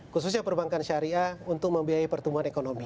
khususnya perbankan syariah untuk membiayai pertumbuhan ekonomi